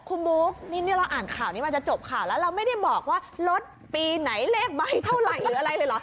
คุณบุ๊คนี่เราอ่านข่าวนี้มันจะจบข่าวแล้วเราไม่ได้บอกว่าลดปีไหนเลขใบเท่าไหร่หรืออะไรเลยเหรอ